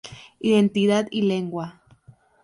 Identidad y Lengua.